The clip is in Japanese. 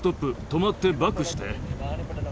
止まってバックして。